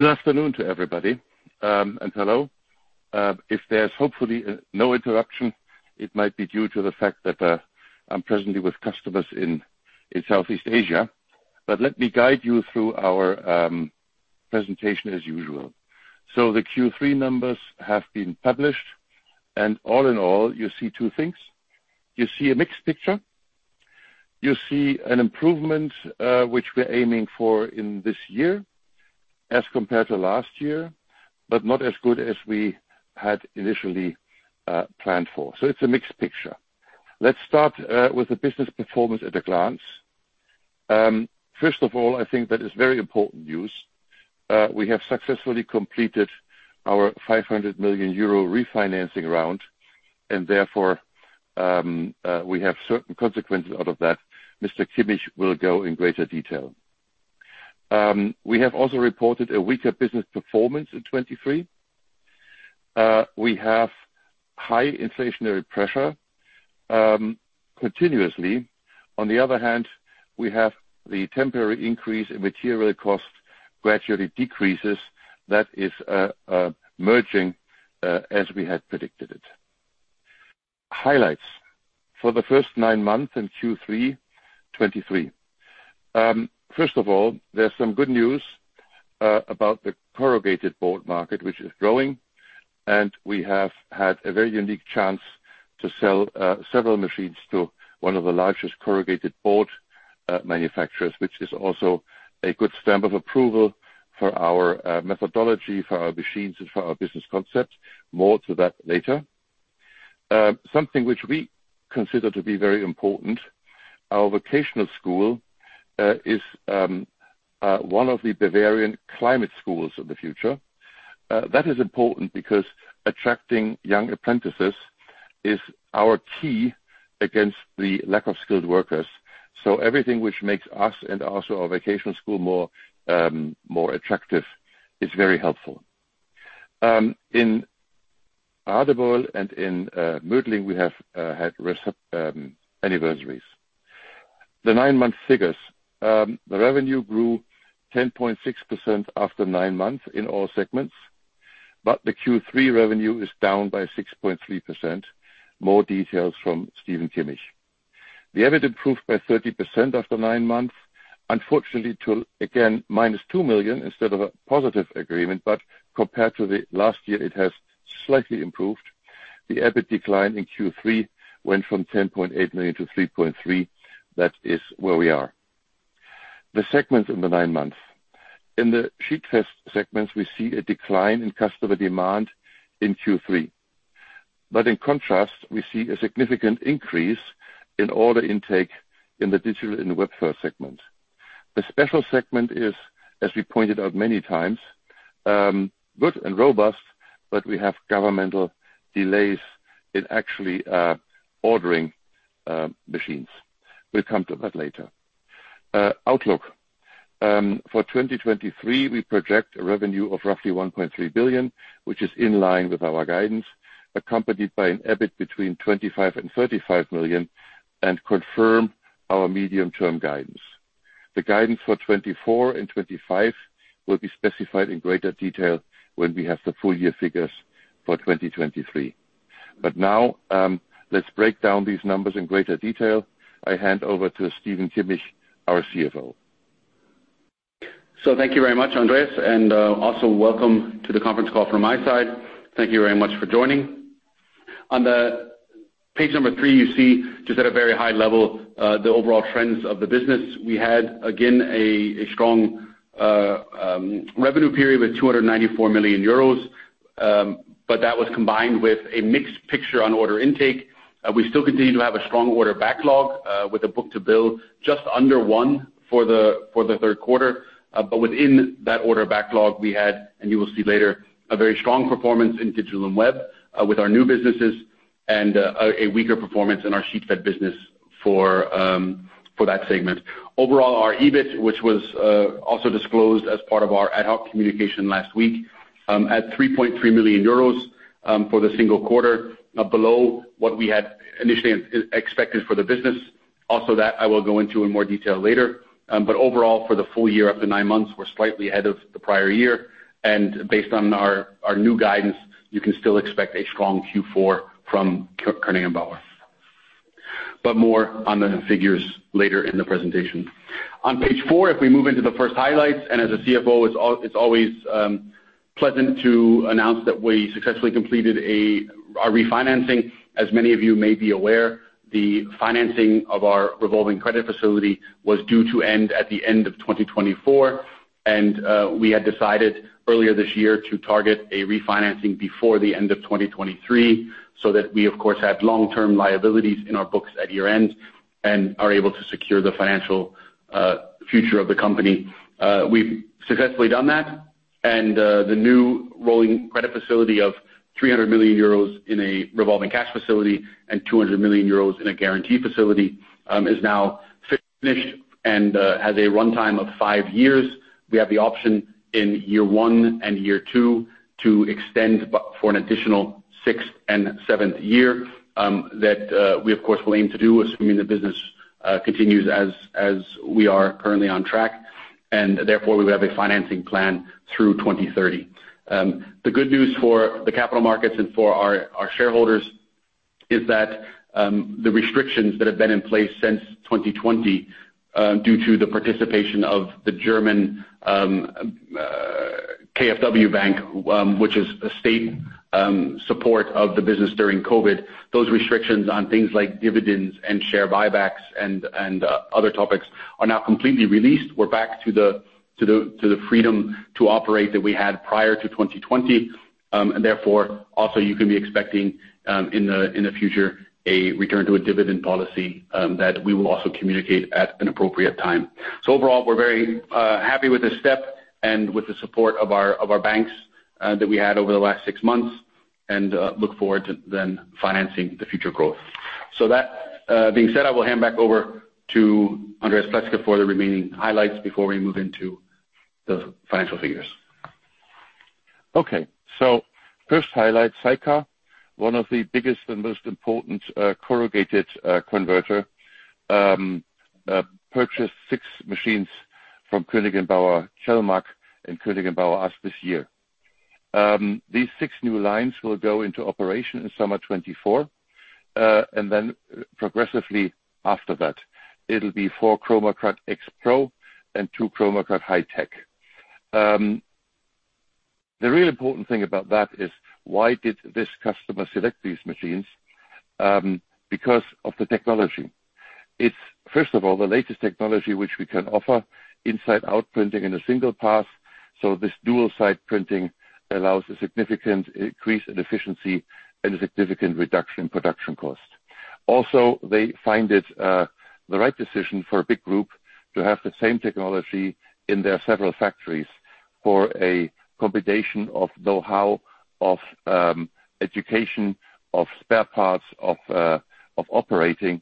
Good afternoon to everybody, and hello. If there's hopefully no interruption, it might be due to the fact that I'm presently with customers in Southeast Asia. Let me guide you through our presentation as usual. The Q3 numbers have been published, and all in all, you see two things. You see a mixed picture. You see an improvement, which we're aiming for in this year as compared to last year, but not as good as we had initially planned for. It's a mixed picture. Let's start with the business performance at a glance. First of all, I think that it's very important news. We have successfully completed our 500 million euro refinancing round, and therefore, we have certain consequences out of that. Mr. Kimmich will go in greater detail. We have also reported a weaker business performance in 2023. We have high inflationary pressure continuously. The temporary increase in material costs gradually decreases. That is merging, as we had predicted it. Highlights for the first nine months in Q3 2023. First of all, there's some good news about the corrugated board market, which is growing, and we have had a very unique chance to sell several machines to one of the largest corrugated board manufacturers, which is also a good stamp of approval for our methodology, for our machines, and for our business concept. More to that later. Something which we consider to be very important, our vocational school is one of the Bavarian Climate Schools of the Future. That is important because attracting young apprentices is our key against the lack of skilled workers. Everything which makes us and also our vocational school more attractive is very helpful. In Radebeul and in Mödling, we have had anniversaries. The nine-month figures. The revenue grew 10.6% after nine months in all segments, but the Q3 revenue is down by 6.3%. More details from Stephen Kimmich. The EBIT improved by 30% after nine months. Unfortunately, to again, minus 2 million instead of a positive agreement. Compared to the last year, it has slightly improved. The EBIT decline in Q3 went from 10.8 million to 3.3 million. That is where we are. The segments in the nine months. In the Sheetfed segments, we see a decline in customer demand in Q3. In contrast, we see a significant increase in order intake in the Digital & Webfed segment. The Special segment is, as we pointed out many times, good and robust, but we have governmental delays in actually ordering machines. We'll come to that later. Outlook. For 2023, we project a revenue of roughly 1.3 billion, which is in line with our guidance, accompanied by an EBIT between 25 million and 35 million, and confirm our medium-term guidance. The guidance for 2024 and 2025 will be specified in greater detail when we have the full-year figures for 2023. Now, let's break down these numbers in greater detail. I hand over to Stephen Kimmich, our CFO. Thank you very much, Andreas, and also welcome to the conference call from my side. Thank you very much for joining. On page three, you see just at a very high level, the overall trends of the business. We had, again, a strong revenue period with 294 million euros, but that was combined with a mixed picture on order intake. We still continue to have a strong order backlog, with a book-to-bill just under one for the third quarter. Within that order backlog we had, and you will see later, a very strong performance in Digital & Webfed with our new businesses and a weaker performance in our Sheetfed business for that segment. Our EBIT, which was also disclosed as part of our ad hoc communication last week, at 3.3 million euros, for the single quarter, below what we had initially expected for the business. That I will go into in more detail later. Overall, for the full year, after nine months, we are slightly ahead of the prior year. Based on our new guidance, you can still expect a strong Q4 from Koenig & Bauer. More on the figures later in the presentation. On page four, if we move into the first highlights, as a CFO, it is always pleasant to announce that we successfully completed our refinancing. As many of you may be aware, the financing of our revolving credit facility was due to end at the end of 2024. We had decided earlier this year to target a refinancing before the end of 2023, so that we, of course, had long-term liabilities in our books at year end and are able to secure the financial future of the company. We have successfully done that, and the new revolving credit facility of 300 million euros in a revolving cash facility and 200 million euros in a guaranteed facility is now finished and has a runtime of five years. We have the option in year one and year two to extend for an additional sixth and seventh year, that we, of course, will aim to do, assuming the business continues as we are currently on track, and therefore we have a financing plan through 2030. The good news for the capital markets and for our shareholders is that the restrictions that have been in place since 2020, due to the participation of the German KfW Bank, which is a state support of the business during COVID, those restrictions on things like dividends and share buybacks and other topics are now completely released. We are back to the freedom to operate that we had prior to 2020. Therefore, also you can be expecting, in the future, a return to a dividend policy, that we will also communicate at an appropriate time. Overall, we are very happy with this step and with the support of our banks that we had over the last six months and look forward to then financing the future growth. That being said, I will hand back over to Andreas Pleßke for the remaining highlights before we move into the financial figures. First highlight, Saica, one of the biggest and most important corrugated converter, purchased 6 machines from Koenig & Bauer Celmacch and Koenig & Bauer us this year. These 6 new lines will go into operation in summer 2024, and then progressively after that. It will be 4 ChromaCUT X Pro and 2 ChromaCUT High Tech. The real important thing about that is why did this customer select these machines? Because of the technology. It is, first of all, the latest technology which we can offer inside-outside printing in a single pass, this dual side printing allows a significant increase in efficiency and a significant reduction in production cost. Also, they find it, the right decision for a big group to have the same technology in their several factories for a combination of knowhow, of education, of spare parts, of operating.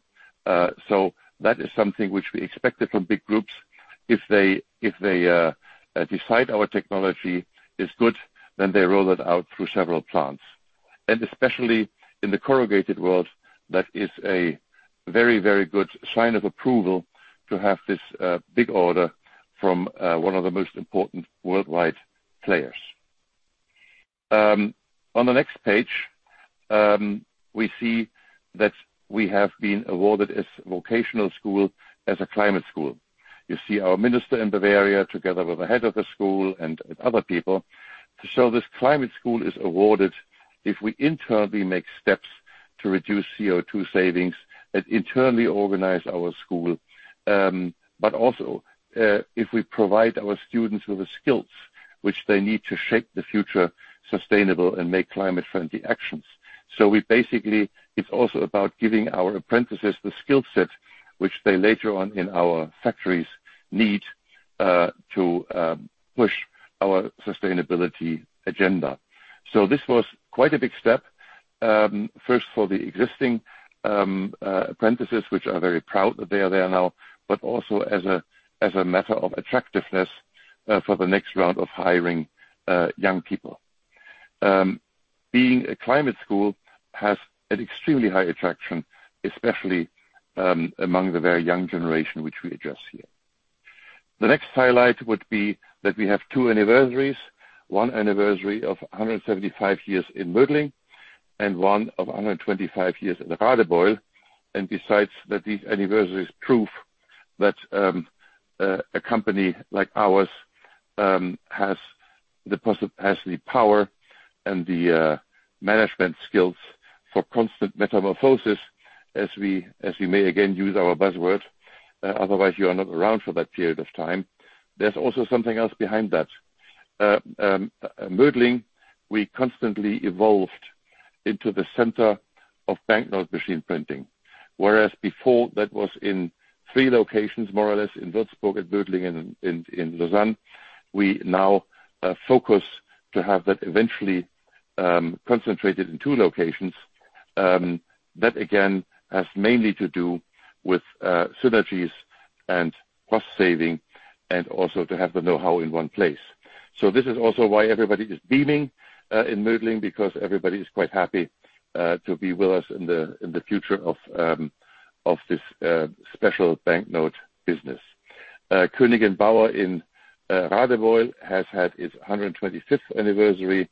That is something which we expected from big groups. If they decide our technology is good, then they roll it out through several plants. Especially in the corrugated world, that is a very, very good sign of approval to have this big order from one of the most important worldwide players. On the next page, we see that we have been awarded as vocational school as a Climate School. You see our minister in Bavaria, together with the head of the school and other people. This Climate School is awarded if we internally make steps to reduce CO2 savings and internally organize our school, but also, if we provide our students with the skills which they need to shape the future sustainable and make climate friendly actions. We basically, it is also about giving our apprentices the skill set, which they later on in our factories need, to push our sustainability agenda. This was quite a big step, first for the existing apprentices, which are very proud that they are there now, but also as a matter of attractiveness, for the next round of hiring young people. Being a Climate School has an extremely high attraction, especially, among the very young generation which we address here. The next highlight would be that we have 2 anniversaries, one anniversary of 175 years in Mödling, and one of 125 years in Radebeul. Besides that, these anniversaries prove that, a company like ours, has the power and the management skills for constant metamorphosis as we may, again, use our buzzword, otherwise you are not around for that period of time. There is also something else behind that. Mödling, we constantly evolved into the center of banknote machine printing, whereas before, that was in 3 locations, more or less, in Würzburg, at Mödling and in Lausanne. We now focus to have that eventually, concentrated in 2 locations. That again, has mainly to do with synergies and cost saving and also to have the knowhow in one place. This is also why everybody is beaming, in Mödling because everybody is quite happy, to be with us in the future of this special banknote business. Koenig & Bauer in Radebeul has had its 125th anniversary,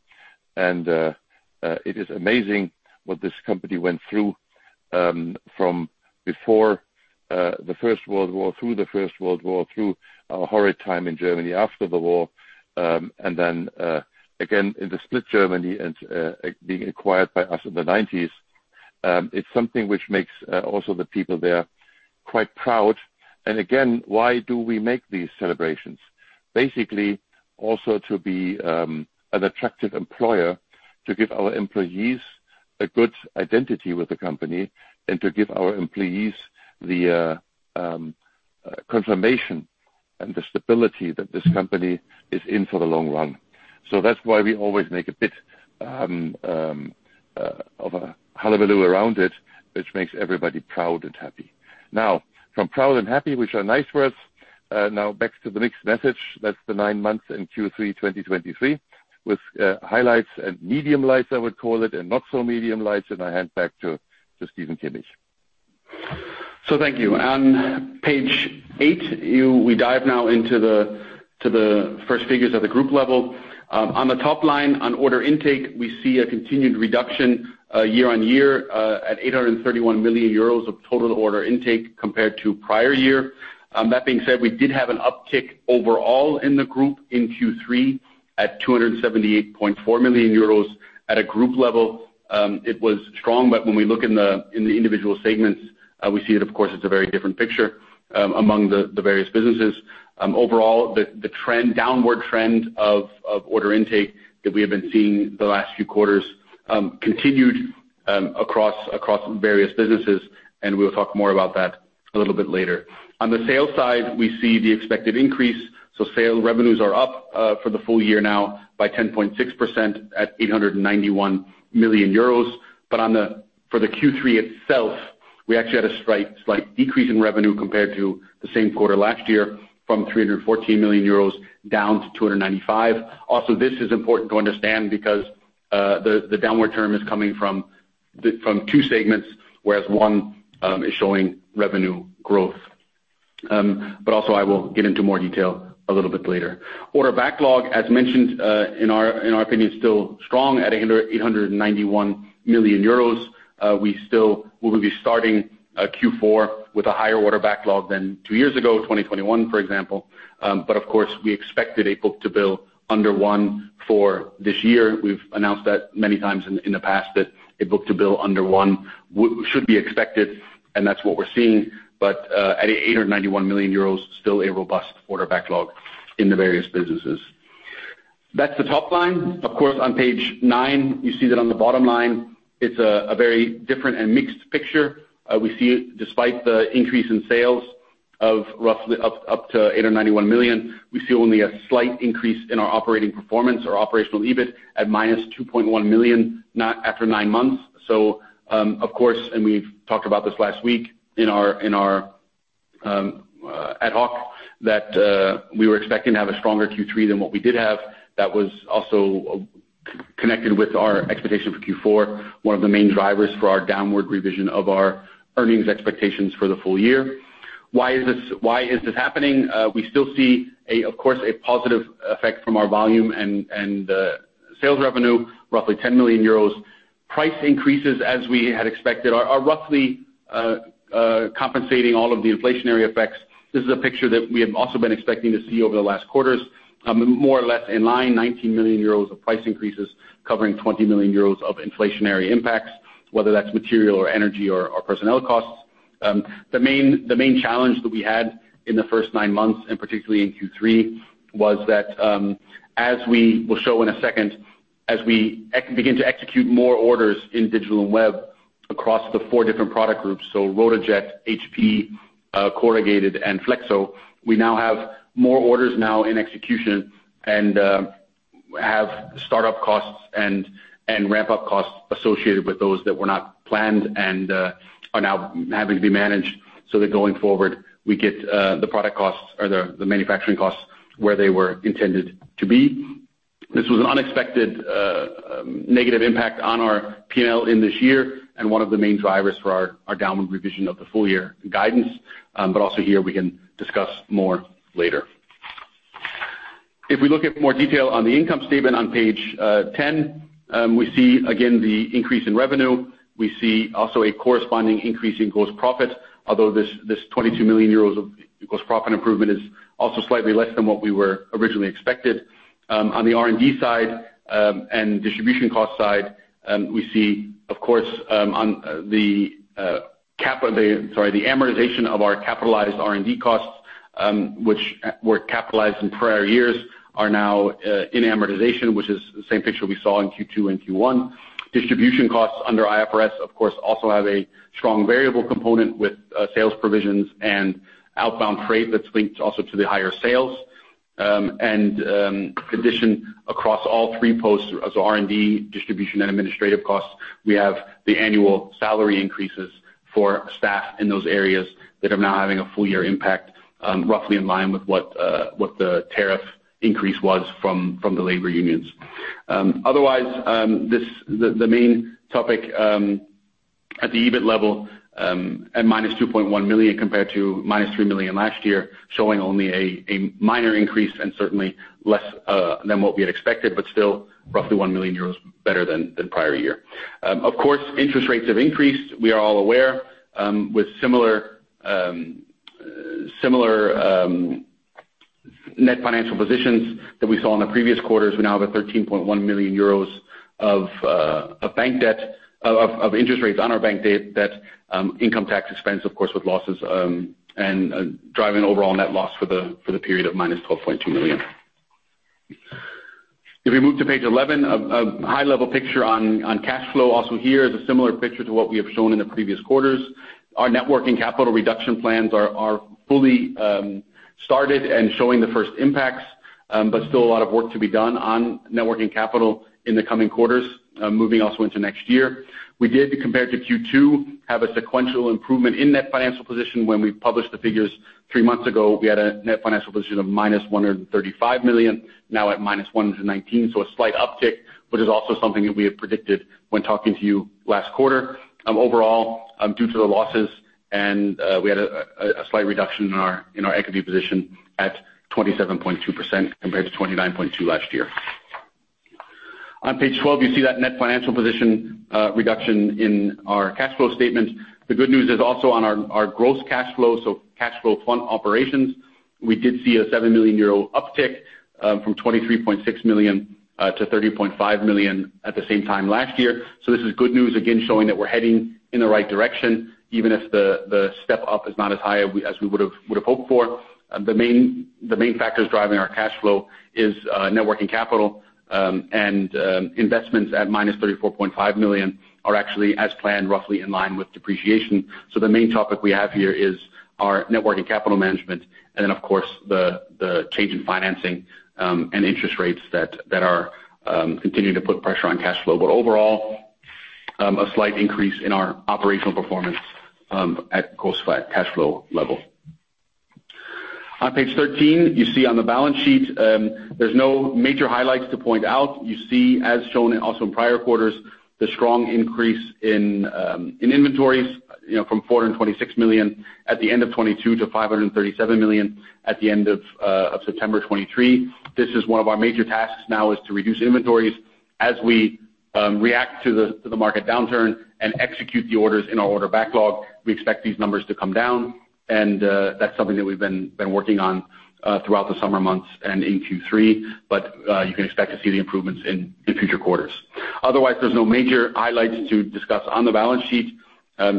and it is amazing what this company went through, from before the First World War, through the First World War, through a horrid time in Germany after the war, and then, again in the split Germany and being acquired by us in the 1990s. It is something which makes also the people there quite proud. Why do we make these celebrations? Basically, also to be an attractive employer, to give our employees a good identity with the company and to give our employees the confirmation and the stability that this company is in for the long run. That's why we always make a bit of a hullabaloo around it, which makes everybody proud and happy. From proud and happy, which are nice words. Back to the mixed message. That's the nine months in Q3 2023, with highlights and medium lights, I would call it, and not so medium lights, and I hand back to Stephen Kimmich. Thank you. On page eight, we dive now into the first figures at the group level. On the top line, on order intake, we see a continued reduction year-on-year at 831 million euros of total order intake compared to prior year. That being said, we did have an uptick overall in the group in Q3 at 278.4 million euros. At a group level it was strong, but when we look in the individual segments, we see it, of course, it's a very different picture among the various businesses. Overall, the downward trend of order intake that we have been seeing the last few quarters, continued across various businesses, and we'll talk more about that a little bit later. On the sales side, we see the expected increase. Sales revenues are up for the full year now by 10.6% at 891 million euros. For the Q3 itself, we actually had a slight decrease in revenue compared to the same quarter last year from 314 million euros down to 295 million. This is important to understand because the downward term is coming from two segments, whereas one is showing revenue growth. I will get into more detail a little bit later. Order backlog, as mentioned, in our opinion, still strong at 891 million euros. We will be starting Q4 with a higher order backlog than two years ago, 2021, for example. Of course, we expected a book-to-bill under one for this year. We've announced that many times in the past that a book-to-bill under one should be expected, and that's what we're seeing. But at 891 million euros, still a robust order backlog in the various businesses. That's the top line. On page nine, you see that on the bottom line, it's a very different and mixed picture. We see despite the increase in sales of roughly up to 891 million, we see only a slight increase in our operating performance or operational EBIT at minus 2.1 million after nine months. Of course, and we've talked about this last week in our ad hoc, that we were expecting to have a stronger Q3 than what we did have. That was also connected with our expectation for Q4, one of the main drivers for our downward revision of our earnings expectations for the full year. Why is this happening? We still see, of course, a positive effect from our volume and sales revenue, roughly 10 million euros. Price increases, as we had expected, are roughly compensating all of the inflationary effects. This is a picture that we have also been expecting to see over the last quarters, more or less in line, 19 million euros of price increases, covering 20 million euros of inflationary impacts, whether that is material or energy or personnel costs. The main challenge that we had in the first nine months, and particularly in Q3, was that, as we will show in a second, as we begin to execute more orders in Digital & Webfed across the four different product groups, so RotaJET, HP, Corrugated, and Flexo, we now have more orders now in execution and have startup costs and ramp-up costs associated with those that were not planned and are now having to be managed so that going forward, we get the product costs or the manufacturing costs where they were intended to be. This was an unexpected negative impact on our P&L in this year and one of the main drivers for our downward revision of the full-year guidance. Also here we can discuss more later. If we look at more detail on the income statement on page 10, we see again the increase in revenue. We see also a corresponding increase in gross profit, although this 22 million euros of gross profit improvement is also slightly less than what we were originally expected. On the R&D side, and distribution cost side, we see, of course, on the amortization of our capitalized R&D costs, which were capitalized in prior years, are now in amortization, which is the same picture we saw in Q2 and Q1. Distribution costs under IFRS, of course, also have a strong variable component with sales provisions and outbound freight that is linked also to the higher sales. In addition, across all three posts, so R&D, distribution, and administrative costs, we have the annual salary increases for staff in those areas that are now having a full-year impact, roughly in line with what the tariff increase was from the labor unions. Otherwise, the main topic, at the EBIT level, at -2.1 million compared to -3 million last year, showing only a minor increase and certainly less than what we had expected, but still roughly 1 million euros better than the prior year. Of course, interest rates have increased. We are all aware, with similar net financial positions that we saw in the previous quarters. We now have 13.1 million euros of interest rates on our bank debt, income tax expense, of course, with losses, and driving overall net loss for the period of -12.2 million. If we move to page 11, a high-level picture on cash flow also here is a similar picture to what we have shown in the previous quarters. Our net working capital reduction plans are fully started and showing the first impacts. Still a lot of work to be done on net working capital in the coming quarters, moving also into next year. We did, compared to Q2, have a sequential improvement in net financial position. When we published the figures three months ago, we had a net financial position of -135 million, now at -119 million. A slight uptick, which is also something that we had predicted when talking to you last quarter. Overall, due to the losses, and we had a slight reduction in our equity position at 27.2% compared to 29.2% last year. On page 12, you see that net financial position reduction in our cash flow statement. The good news is also on our gross cash flow, so cash flow from operations, we did see a 7 million euro uptick from 23.6 million to 30.5 million at the same time last year. This is good news, again, showing that we are heading in the right direction, even if the step up is not as high as we would have hoped for. The main factors driving our cash flow is net working capital and investments at -34.5 million are actually as planned, roughly in line with depreciation. The main topic we have here is our net working capital management and then, of course, the change in financing and interest rates that are continuing to put pressure on cash flow. Overall, a slight increase in our operational performance at cost cash flow level. On page 13, you see on the balance sheet, there is no major highlights to point out. You see, as shown also in prior quarters, the strong increase in inventories from 426 million at the end of 2022 to 537 million at the end of September 2023. This is one of our major tasks now is to reduce inventories as we react to the market downturn and execute the orders in our order backlog. We expect these numbers to come down, and that is something that we have been working on throughout the summer months and in Q3. You can expect to see the improvements in future quarters. Otherwise, there is no major highlights to discuss on the balance sheet.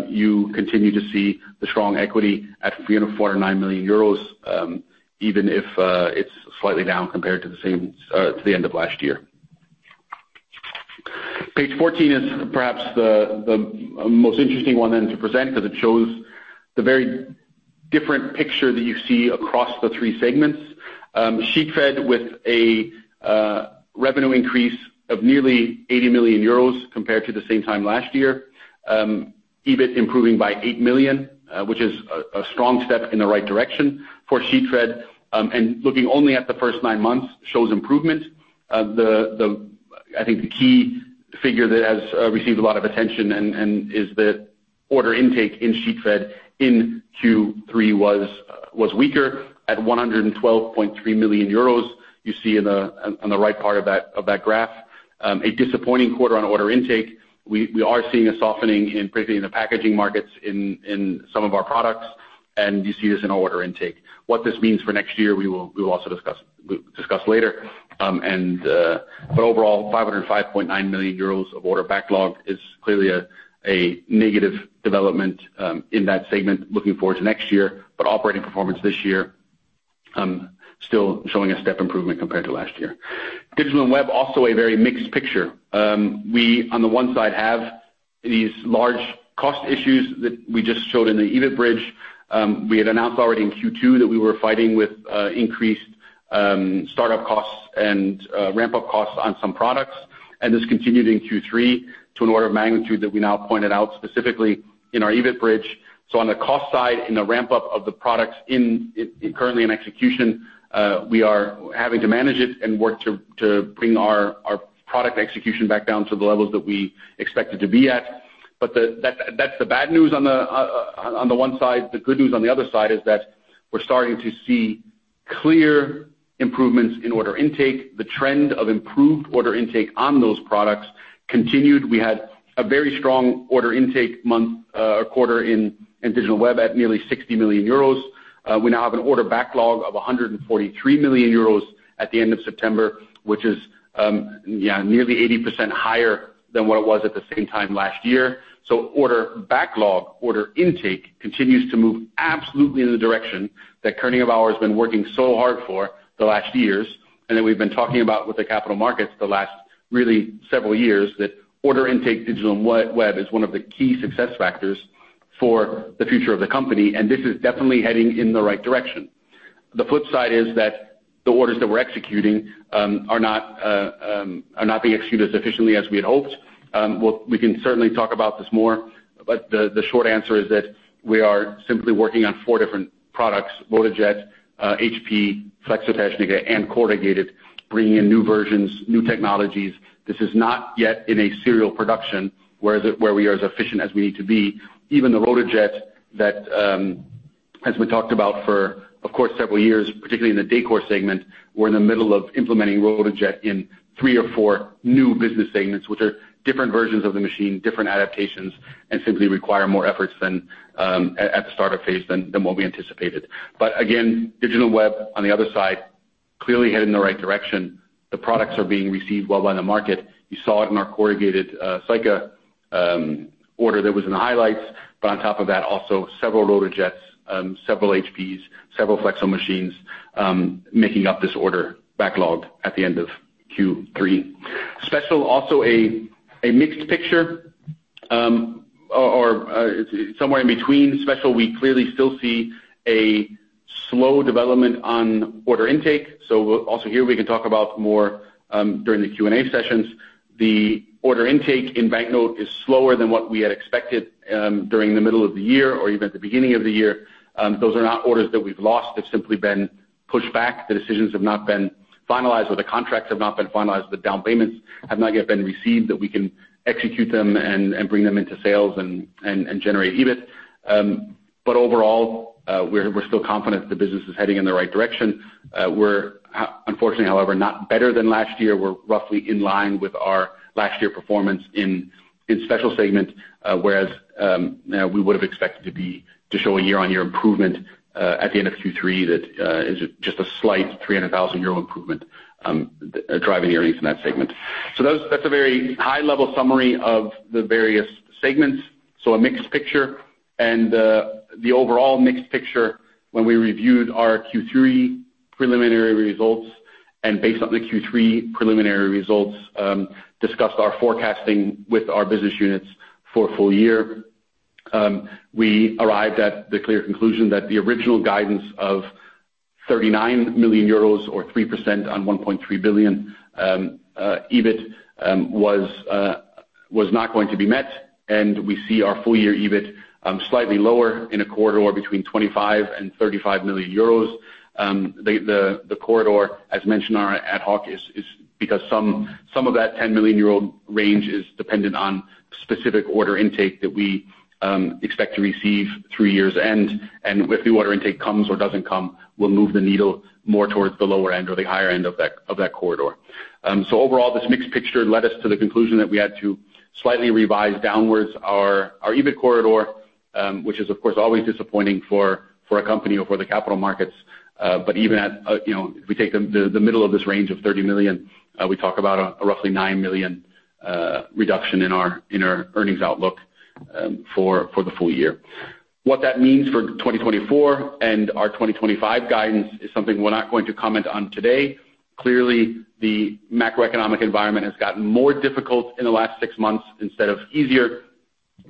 You continue to see the strong equity at 309 million euros, even if it is slightly down compared to the end of last year. Page 14 is perhaps the most interesting one then to present because it shows the very different picture that you see across the three segments. Sheetfed with a revenue increase of nearly 80 million euros compared to the same time last year. EBIT improving by 8 million, which is a strong step in the right direction for Sheetfed. Looking only at the first nine months shows improvement. I think the key figure that has received a lot of attention and is the order intake in Sheetfed in Q3 was weaker at 112.3 million euros. You see on the right part of that graph, a disappointing quarter on order intake. We are seeing a softening in, particularly in the packaging markets in some of our products, and you see this in our order intake. What this means for next year, we will also discuss later. Overall, 505.9 million euros of order backlog is clearly a negative development in that segment looking forward to next year. Operating performance this year, still showing a step improvement compared to last year. Digital & Webfed, also a very mixed picture. We, on the one side, have these large cost issues that we just showed in the EBIT bridge. We had announced already in Q2 that we were fighting with increased startup costs and ramp-up costs on some products. This continued in Q3 to an order of magnitude that we now pointed out specifically in our EBIT bridge. On the cost side, in the ramp-up of the products currently in execution, we are having to manage it and work to bring our product execution back down to the levels that we expect it to be at. That is the bad news on the one side. The good news on the other side is that we're starting to see clear improvements in order intake. The trend of improved order intake on those products continued. We had a very strong order intake quarter in Digital and Web at nearly 60 million euros. We now have an order backlog of 143 million euros at the end of September, which is nearly 80% higher than what it was at the same time last year. Order backlog, order intake continues to move absolutely in the direction that Koenig & Bauer has been working so hard for the last years, and that we've been talking about with the capital markets the last really several years. Order intake Digital and Web is one of the key success factors for the future of the company. This is definitely heading in the right direction. The flip side is that the orders that we're executing are not being executed as efficiently as we had hoped. We can certainly talk about this more, but the short answer is that we are simply working on four different products, RotaJET, HP, Flexotecnica, and corrugated, bringing in new versions, new technologies. This is not yet in a serial production where we are as efficient as we need to be. Even the RotaJET that has been talked about for, of course, several years, particularly in the decor segment. We're in the middle of implementing RotaJET in three or four new business segments, which are different versions of the machine, different adaptations, and simply require more efforts at the startup phase than what we anticipated. Again, Digital and Web, on the other side, clearly headed in the right direction. The products are being received well by the market. You saw it in our corrugated Saica order that was in the highlights. On top of that, also several RotaJETs, several HPs, several Flexo machines making up this order backlog at the end of Q3. Special, also a mixed picture. We clearly still see a slow development on order intake. Here we can talk about more during the Q&A sessions. The order intake in banknote is slower than what we had expected during the middle of the year or even at the beginning of the year. Those are not orders that we've lost. They've simply been pushed back. The decisions have not been finalized or the contracts have not been finalized. The down payments have not yet been received that we can execute them and bring them into sales and generate EBIT. Overall, we're still confident the business is heading in the right direction. We're unfortunately, however, not better than last year. We're roughly in line with our last year performance in Special segment, whereas we would've expected to show a year-on-year improvement at the end of Q3 that is just a slight 300,000 euro improvement driving earnings in that segment. That's a very high level summary of the various segments. A mixed picture. The overall mixed picture when we reviewed our Q3 preliminary results and based on the Q3 preliminary results, discussed our forecasting with our business units for a full year. We arrived at the clear conclusion that the original guidance of 39 million euros or 3% on 1.3 billion EBIT was not going to be met. We see our full year EBIT slightly lower in a corridor between 25 million and 35 million euros. The corridor as mentioned on our ad hoc is because some of that 10 million range is dependent on specific order intake that we expect to receive through year's end. If the order intake comes or doesn't come, we'll move the needle more towards the lower end or the higher end of that corridor. Overall, this mixed picture led us to the conclusion that we had to slightly revise downwards our EBIT corridor, which is of course, always disappointing for a company or for the capital markets. Even if we take the middle of this range of 30 million, we talk about a roughly 9 million reduction in our earnings outlook for the full year. What that means for 2024 and our 2025 guidance is something we're not going to comment on today. Clearly, the macroeconomic environment has gotten more difficult in the last six months instead of easier.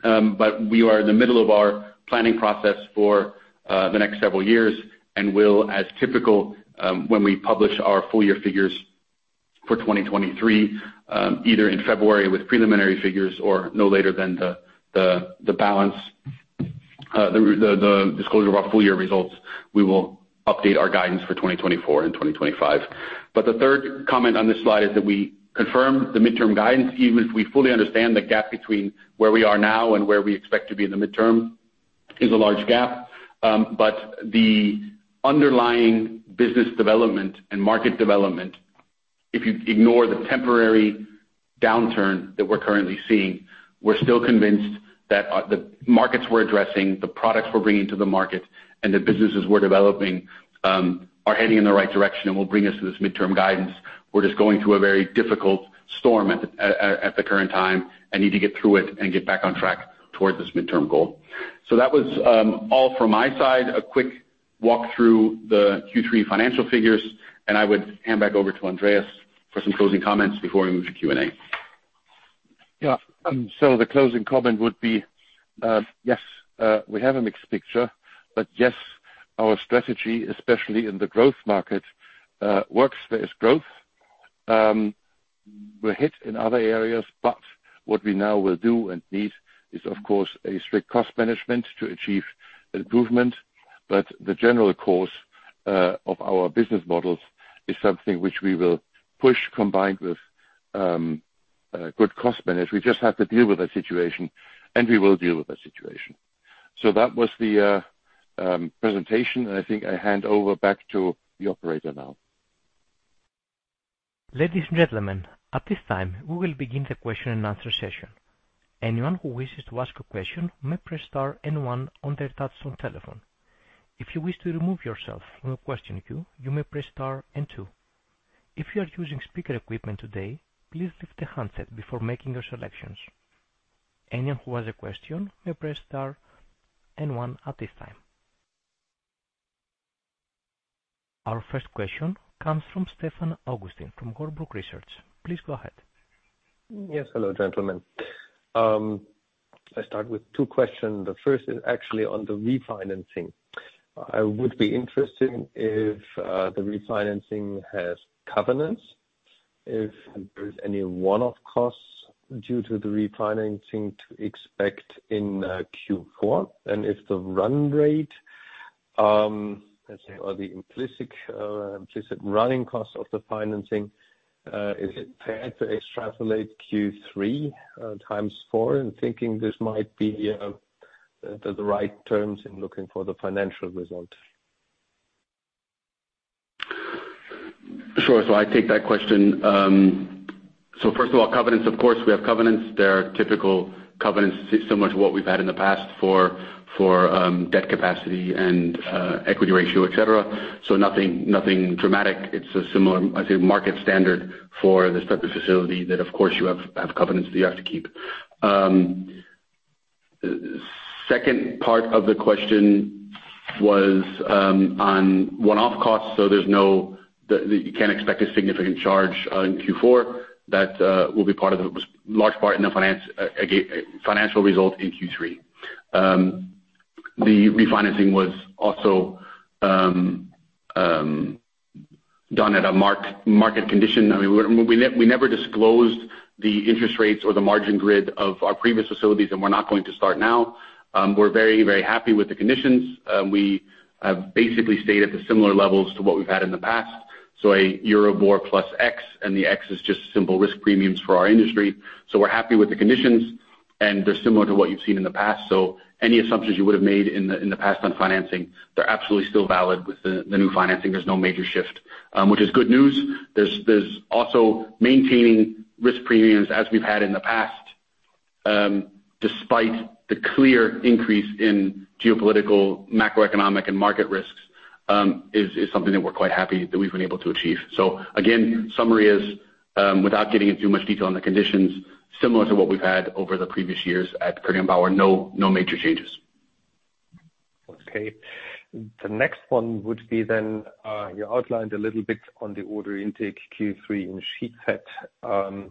We are in the middle of our planning process for the next several years and will, as typical, when we publish our full year figures for 2023, either in February with preliminary figures or no later than the balance, the disclosure of our full year results, we will update our guidance for 2024 and 2025. The third comment on this slide is that we confirm the midterm guidance even if we fully understand the gap between where we are now and where we expect to be in the midterm is a large gap. The underlying business development and market development, if you ignore the temporary downturn that we're currently seeing, we're still convinced that the markets we're addressing, the products we're bringing to the market and the businesses we're developing are heading in the right direction and will bring us to this midterm guidance. We're just going through a very difficult storm at the current time and need to get through it and get back on track towards this midterm goal. That was all from my side. A quick walk through the Q3 financial figures, and I would hand back over to Andreas for some closing comments before we move to Q&A. Yeah. The closing comment would be yes, we have a mixed picture, yes, our strategy, especially in the growth market, works. There is growth. We're hit in other areas, what we now will do and need is of course a strict cost management to achieve improvement. The general course of our business models is something which we will push combined with good cost management. We just have to deal with that situation, and we will deal with that situation. That was the presentation, and I think I hand over back to the operator now. Ladies and gentlemen, at this time we will begin the question and answer session. Anyone who wishes to ask a question may press star 1 on their touch-tone telephone. If you wish to remove yourself from the question queue, you may press star 2. If you are using speaker equipment today, please lift the handset before making your selections. Anyone who has a question may press star 1 at this time. Our first question comes from Stefan Augustin from Warburg Research. Please go ahead. Yes. Hello, gentlemen. I start with two questions. The first is actually on the refinancing. I would be interested if the refinancing has covenants, if there is any one-off costs due to the refinancing to expect in Q4, and if the run rate, let's say, or the implicit running cost of the financing, is it fair to extrapolate Q3 times 4 in thinking this might be the right terms in looking for the financial result? Sure. I take that question. First of all, covenants, of course, we have covenants. They're typical covenants similar to what we've had in the past for debt capacity and equity ratio, et cetera. Nothing dramatic. It's a similar, I'd say, market standard for this type of facility that of course you have covenants that you have to keep. The second part of the question was on one-off costs. You can't expect a significant charge in Q4 that will be part of the large part in the financial result in Q3. The refinancing was also done at a market condition. We never disclosed the interest rates or the margin grid of our previous facilities, and we're not going to start now. We're very happy with the conditions. We have basically stayed at the similar levels to what we've had in the past. A EURIBOR plus X, and the X is just simple risk premiums for our industry. We're happy with the conditions, and they're similar to what you've seen in the past. Any assumptions you would have made in the past on financing, they're absolutely still valid with the new financing. There's no major shift. Which is good news. There's also maintaining risk premiums as we've had in the past, despite the clear increase in geopolitical, macroeconomic, and market risks, is something that we're quite happy that we've been able to achieve. Again, summary is, without getting into too much detail on the conditions, similar to what we've had over the previous years at Koenig & Bauer. No major changes. Okay. The next one would be, you outlined a little bit on the order intake Q3 in Sheetfed.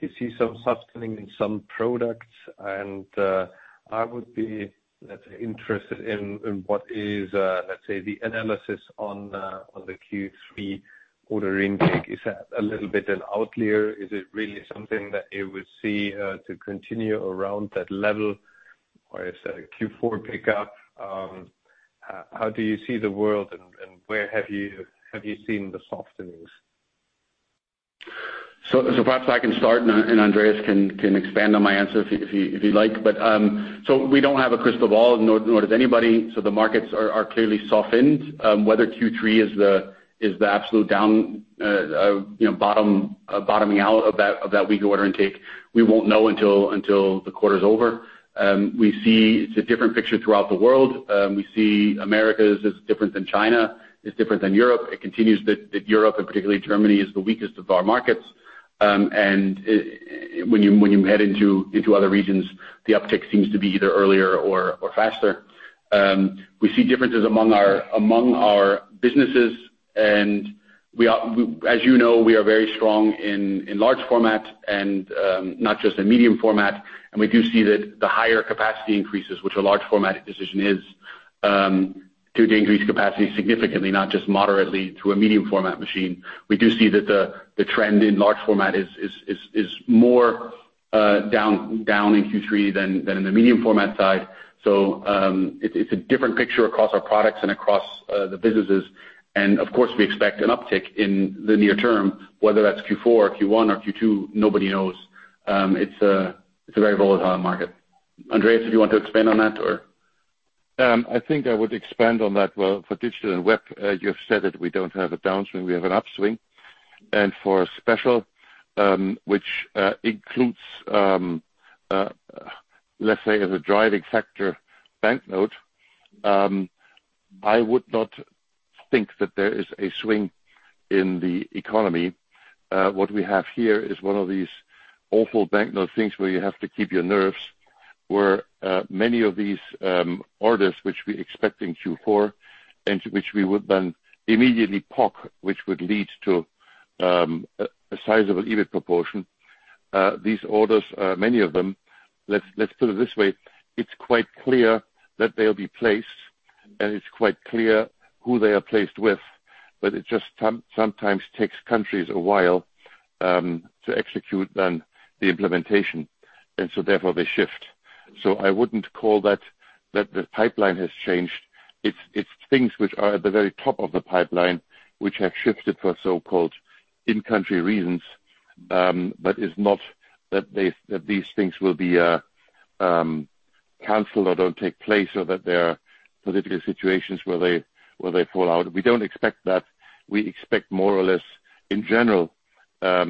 You see some softening in some products. I would be interested in what is the analysis on the Q3 order intake. Is that a little bit an outlier? Is it really something that you would see to continue around that level? Is that a Q4 pickup? How do you see the world, and where have you seen the softenings? Perhaps I can start, Andreas can expand on my answer if he'd like. We don't have a crystal ball, nor does anybody. The markets are clearly softened. Whether Q3 is the absolute bottoming out of that weaker order intake, we won't know until the quarter's over. We see it's a different picture throughout the world. We see America is different than China, is different than Europe. It continues that Europe, particularly Germany, is the weakest of our markets. When you head into other regions, the uptick seems to be either earlier or faster. We see differences among our businesses. As you know, we are very strong in large format and not just in medium format. We do see that the higher capacity increases, which a large format decision is, to increase capacity significantly, not just moderately to a medium format machine. We do see that the trend in large format is more down in Q3 than in the medium format side. It's a different picture across our products and across the businesses. Of course, we expect an uptick in the near term, whether that's Q4, Q1 or Q2, nobody knows. It's a very volatile market. Andreas, if you want to expand on that or? I think I would expand on that. Well, for Digital & Webfed, you have said it, we don't have a downswing, we have an upswing. For Special, which includes as a driving factor, banknote. I would not think that there is a swing in the economy. What we have here is one of these awful banknote things where you have to keep your nerves, where many of these orders, which we expect in Q4, which we would then immediately park, which would lead to a sizable EBIT proportion. These orders, many of them, it's quite clear that they'll be placed, it's quite clear who they are placed with, it just sometimes takes countries a while, to execute on the implementation, therefore they shift. I wouldn't call that the pipeline has changed. It's things which are at the very top of the pipeline, which have shifted for so-called in-country reasons, is not that these things will be canceled or don't take place or that there are political situations where they fall out. We don't expect that. We expect more or less, in general, a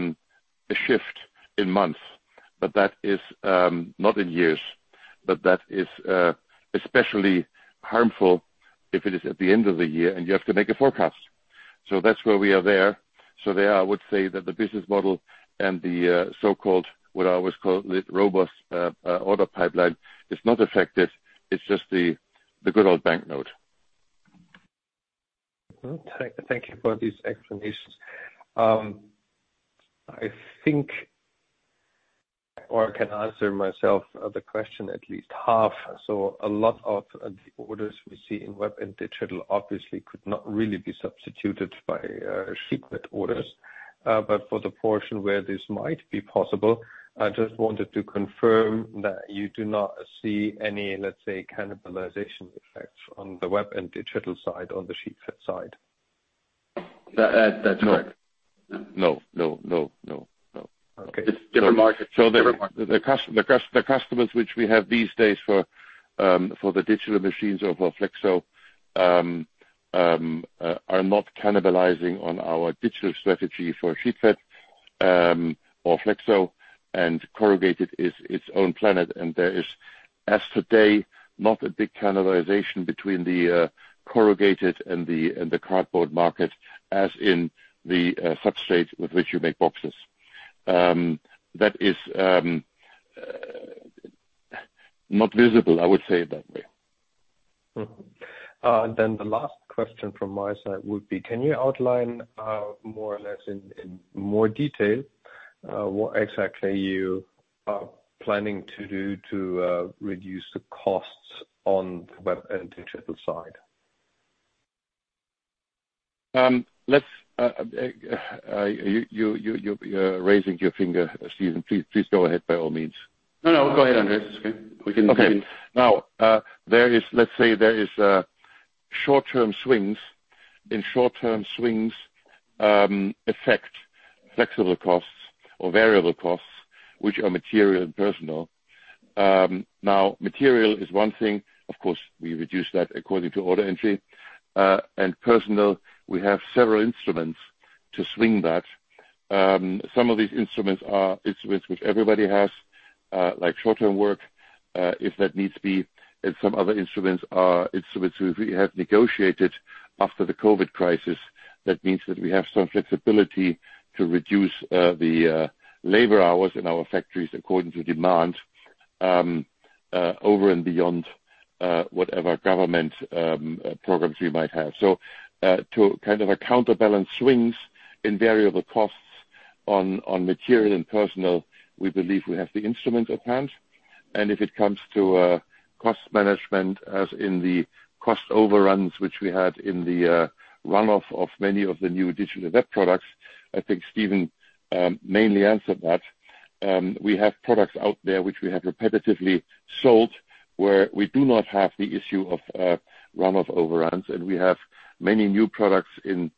shift in months. That is not in years. That is especially harmful if it is at the end of the year and you have to make a forecast. That's where we are there. There, I would say that the business model and the so-called, what I always call the robust order pipeline is not affected. It's just the good old banknote. Thank you for these explanations. I think, or I can answer myself the question at least half. A lot of the orders we see in Digital & Webfed obviously could not really be substituted by Sheetfed orders. For the portion where this might be possible, I just wanted to confirm that you do not see any, let's say, cannibalization effects on the Digital & Webfed side, on the Sheetfed side. That's right. No. No. Okay. It's different markets. The customers which we have these days for the digital machines or for flexo, are not cannibalizing on our digital strategy for Sheetfed or flexo, and corrugated is its own planet, and there is, as today, not a big cannibalization between the corrugated and the cardboard market, as in the substrate with which you make boxes. That is not visible, I would say it that way. Mm-hmm. The last question from my side would be: can you outline more or less in more detail what exactly you are planning to do to reduce the costs on the Digital & Webfed side? You're raising your finger, Stephen. Please go ahead, by all means. No, no. Go ahead, Andreas. It's okay. Let's say there is short-term swings, short-term swings affect flexible costs or variable costs, which are material and personal. Material is one thing. Of course, we reduce that according to order entry. Personal, we have several instruments to swing that. Some of these instruments are instruments which everybody has, like short-term work, if that needs to be. Some other instruments are instruments which we have negotiated after the COVID crisis. That means that we have some flexibility to reduce the labor hours in our factories according to demand, over and beyond whatever government programs we might have. To counterbalance swings in variable costs on material and personal, we believe we have the instrument at hand. If it comes to cost management, as in the cost overruns, which we had in the runoff of many of the new digital web products, I think Stephen mainly answered that. We have products out there which we have repetitively sold, where we do not have the issue of runoff overruns. We have many new products in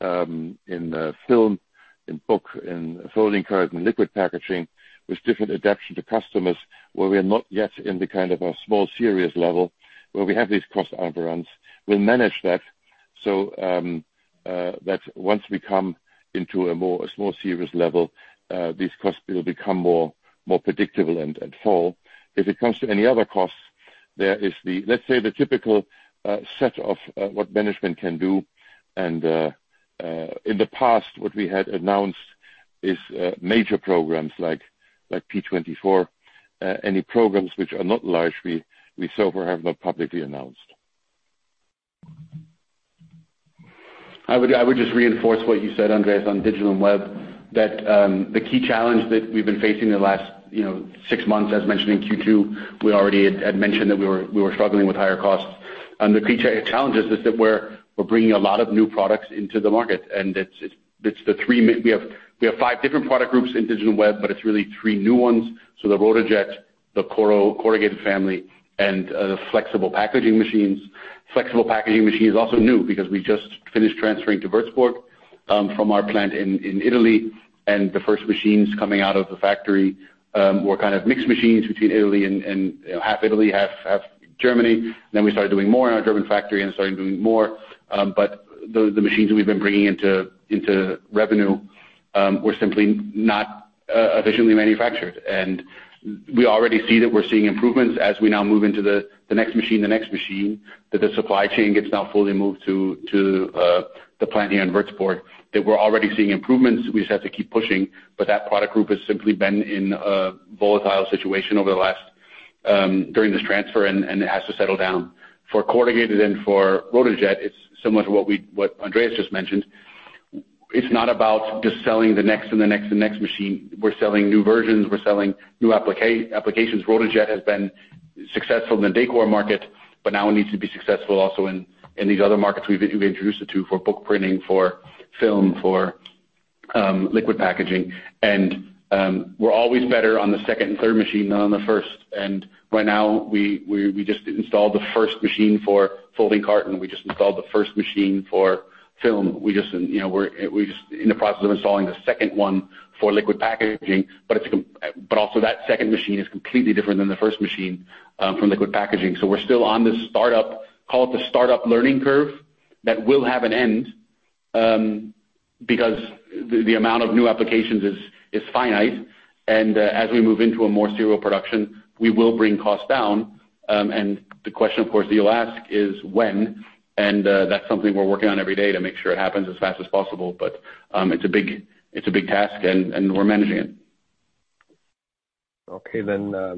film, in book, in folding carton, liquid packaging, with different adaption to customers, where we are not yet in the kind of a small series level where we have these cost overruns. We will manage that so that once we come into a small series level, these costs will become more predictable and fall. If it comes to any other costs, there is the, let's say, the typical set of what management can do. In the past, what we had announced is major programs like P24x. Any programs which are not large, we so far have not publicly announced. I would just reinforce what you said, Andreas, on Digital & Webfed, that the key challenge that we have been facing the last six months, as mentioned in Q2, we already had mentioned that we were struggling with higher costs. The key challenges is that we are bringing a lot of new products into the market, and we have five different product groups in Digital & Webfed, but it is really three new ones. The RotaJET, the corrugated family, and the flexible packaging machines. Flexible packaging machine is also new because we just finished transferring to Würzburg from our plant in Italy. The first machines coming out of the factory were kind of mixed machines between Italy, half Italy, half Germany. We started doing more in our German factory and started doing more. But the machines that we have been bringing into revenue were simply not efficiently manufactured. We already see that we are seeing improvements as we now move into the next machine, the next machine, that the supply chain gets now fully moved to the plant here in Würzburg. That we are already seeing improvements. We just have to keep pushing. That product group has simply been in a volatile situation during this transfer, and it has to settle down. For corrugated and for RotaJET, it is similar to what Andreas just mentioned. It is not about just selling the next and the next and next machine. We are selling new versions. We are selling new applications. RotaJET has been successful in the decor market, but now it needs to be successful also in these other markets we have introduced it to for book printing, for film, for liquid packaging. We are always better on the second and third machine than on the first. Right now, we just installed the first machine for folding carton. We just installed the first machine for film. We're just in the process of installing the second one for liquid packaging, but also that second machine is completely different than the first machine from liquid packaging. We're still on this startup. Call it the startup learning curve that will have an end, because the amount of new applications is finite. As we move into a more serial production, we will bring costs down. The question, of course, that you'll ask is when, and that's something we're working on every day to make sure it happens as fast as possible. It's a big task, and we're managing it.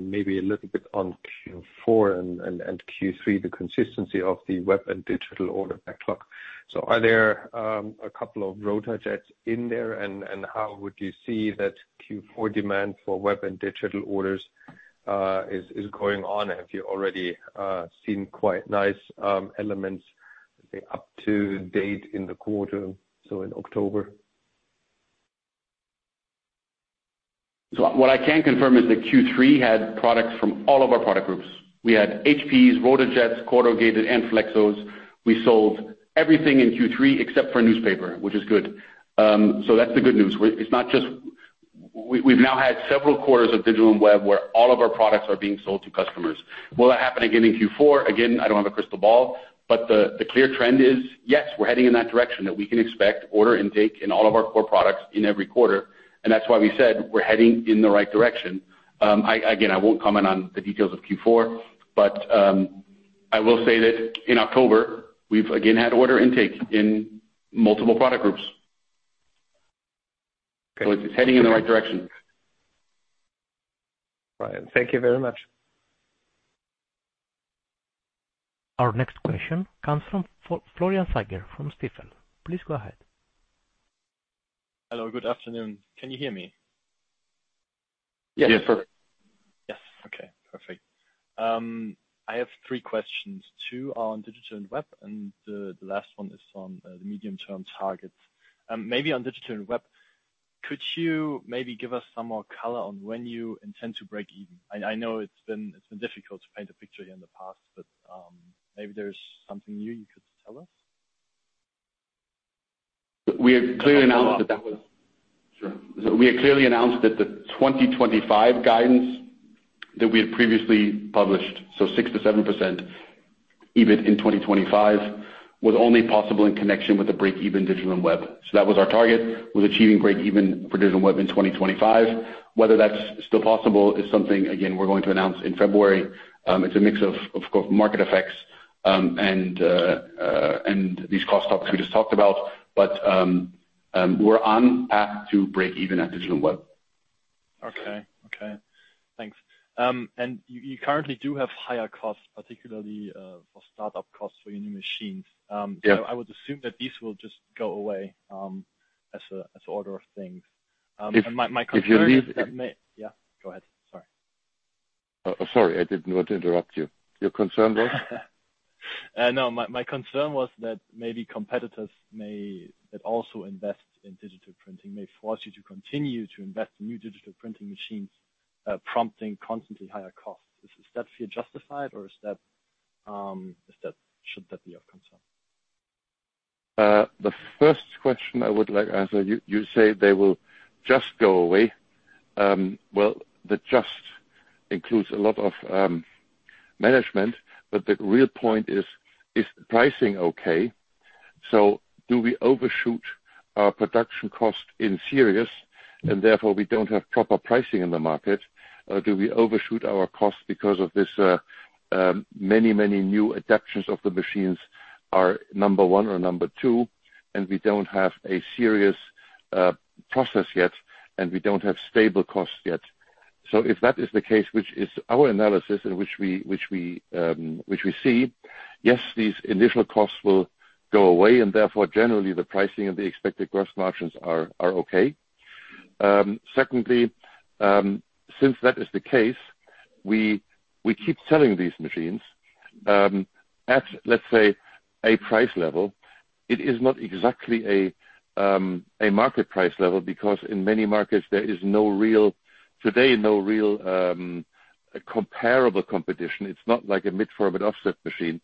Maybe a little bit on Q4 and Q3, the consistency of the Web and Digital order backlog. Are there a couple of RotaJETs in there, and how would you see that Q4 demand for Web and Digital orders is going on? Have you already seen quite nice elements, say up to date in the quarter, in October? What I can confirm is that Q3 had products from all of our product groups. We had HPs, RotaJETs, corrugated, and flexos. We sold everything in Q3 except for newspaper, which is good. That's the good news. We've now had several quarters of Digital & Webfed where all of our products are being sold to customers. Will it happen again in Q4? Again, I don't have a crystal ball. The clear trend is: yes, we're heading in that direction, that we can expect order intake in all of our core products in every quarter. That's why we said we're heading in the right direction. Again, I won't comment on the details of Q4. I will say that in October, we've again had order intake in multiple product groups. Okay. It's heading in the right direction. Right. Thank you very much. Our next question comes from Florian Zeiger from Stifel. Please go ahead. Hello. Good afternoon. Can you hear me? Yes. Yes. Perfect. Yes. Okay, perfect. I have three questions. Two are on Digital & Webfed. The last one is on the medium-term targets. Maybe on Digital & Webfed, could you maybe give us some more color on when you intend to break even? I know it's been difficult to paint a picture here in the past, maybe there's something new you could tell us. We have clearly announced that the 2025 guidance that we had previously published, 6%-7% EBIT in 2025, was only possible in connection with the break-even Digital & Webfed. That was our target, was achieving break-even for Digital & Webfed in 2025. Whether that's still possible is something, again, we're going to announce in February. It's a mix of market effects and these cost topics we just talked about. We're on path to break even at Digital & Webfed. Okay. Thanks. You currently do have higher costs, particularly for startup costs for your new machines. Yeah. I would assume that these will just go away as order of things. If you leave- My concern is that may. Yeah, go ahead. Sorry. Sorry, I didn't want to interrupt you. Your concern was? No. My concern was that maybe competitors that also invest in digital printing may force you to continue to invest in new digital printing machines, prompting constantly higher costs. Does that feel justified or should that be of concern? The first question I would like to answer. You say they will just go away. The just includes a lot of management, but the real point is the pricing okay? Do we overshoot our production cost in series and therefore we don't have proper pricing in the market? Do we overshoot our costs because of this many new adaptations of the machines are number 1 or number 2, and we don't have a serious process yet, and we don't have stable costs yet? If that is the case, which is our analysis and which we see, yes, these initial costs will go away, and therefore, generally the pricing and the expected gross margins are okay. Secondly, since that is the case, we keep selling these machines at, let's say, a price level. It is not exactly a market price level because in many markets there is today, no real comparable competition. It's not like a medium format offset machine.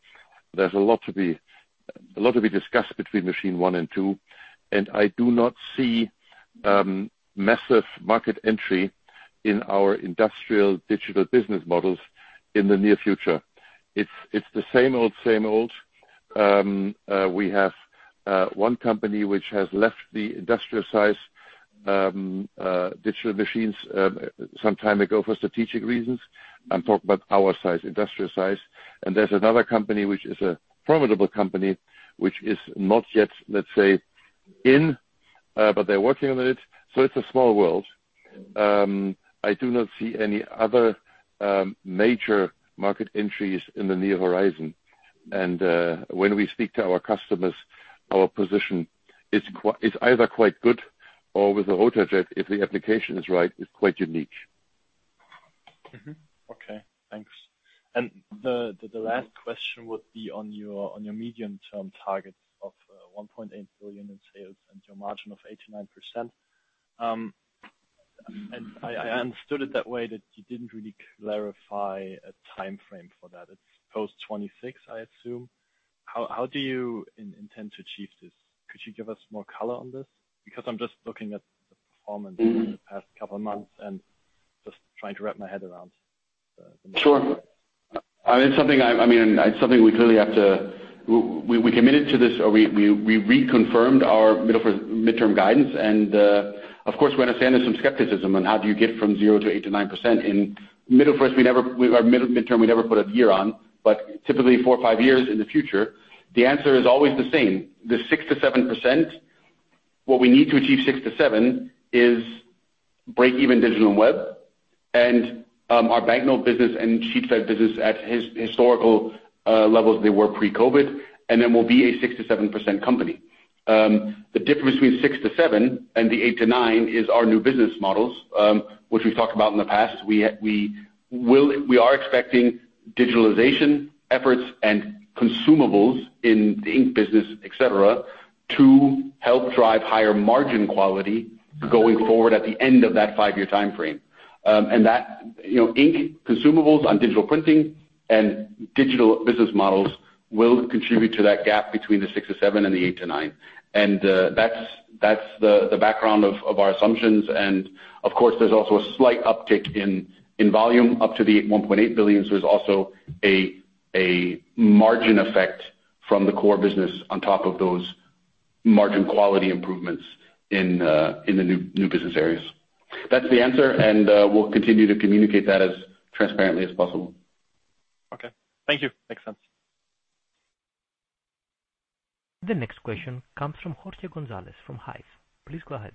There's a lot to be discussed between machine 1 and 2, I do not see massive market entry in our industrial digital business models in the near future. It's the same old. We have one company which has left the industrial size digital machines some time ago for strategic reasons. I'm talking about our size, industrial size. There's another company which is a profitable company, which is not yet, let's say, in, but they're working on it. It's a small world. I do not see any other major market entries in the near horizon. When we speak to our customers, our position is either quite good or with the RotaJET if the application is right, is quite unique. Okay, thanks. The last question would be on your medium-term targets of 1.8 billion in sales and your margin of 8%-9%. I understood it that way that you didn't really clarify a timeframe for that. It's post 2026, I assume. How do you intend to achieve this? Could you give us more color on this? I'm just looking at the performance over the past couple of months and just trying to wrap my head around the numbers. Sure. It's something we clearly have to committed to this or we reconfirmed our mid-term guidance and, of course, we understand there's some skepticism on how do you get from 0 to 8%-9%. In mid-term, we never put a year on, but typically four or five years in the future. The answer is always the same. The 6%-7%, what we need to achieve 6%-7% is break-even Digital & Webfed, and our banknote business and Sheetfed business at historical levels they were pre-COVID, and then we'll be a 6%-7% company. The difference between 6%-7% and the 8%-9% is our new business models, which we've talked about in the past. We are expecting digitalization efforts and consumables in the ink business, et cetera, to help drive higher margin quality going forward at the end of that five-year timeframe. That ink consumables on digital printing and digital business models will contribute to that gap between the 6%-7% and the 8%-9%. That's the background of our assumptions, and of course, there's also a slight uptick in volume up to 1.8 billion. There's also a margin effect from the core business on top of those Margin quality improvements in the new business areas. That's the answer, and we'll continue to communicate that as transparently as possible. Okay. Thank you. Makes sense. The next question comes from Jorge Gonzalez from Hive. Please go ahead.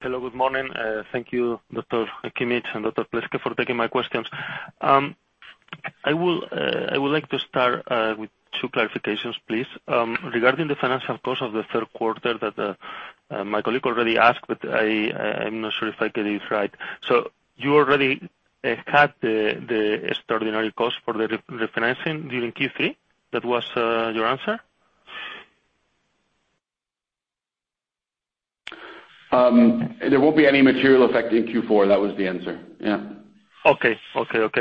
Hello. Good morning. Thank you, Dr. Kimmich and Dr. Pleßke, for taking my questions. I would like to start with two clarifications, please. Regarding the financial course of the third quarter that my colleague already asked, but I'm not sure if I get it right. You already had the extraordinary cost for the refinancing during Q3? That was your answer? There won't be any material effect in Q4. That was the answer. Yeah. Okay. If